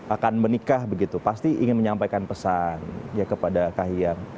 akan menikah begitu pasti ingin menyampaikan pesan ya kepada kak hiang